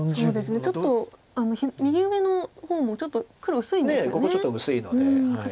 ちょっと右上の方もちょっと黒薄いんですよね。